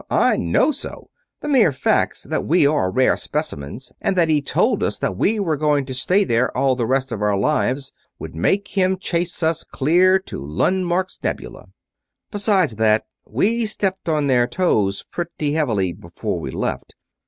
I know so! The mere facts that we are rare specimens and that he told us that we were going to stay there all the rest of our lives would make him chase us clear to Lundmark's Nebula. Besides that, we stepped on their toes pretty heavily before we left.